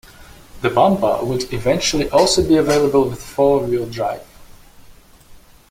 The Pampa would eventually also be available with four-wheel drive.